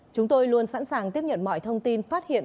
chúng tôi luôn sẵn sàng tiếp nhận mọi thông tin phát hiện